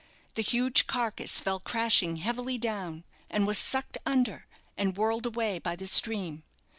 The huge carcase fell crashing heavily down, and was sucked under, and whirled away by the stream.